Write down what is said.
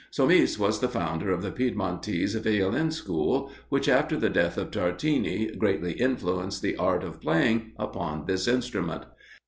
Somis was the founder of the Piedmontese Violin school, which, after the death of Tartini, greatly influenced the art of playing upon this instrument.